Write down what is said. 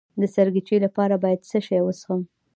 د سرګیچي لپاره باید څه شی وڅښم؟